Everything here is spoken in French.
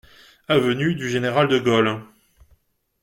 Avenue du Général de Gaulle.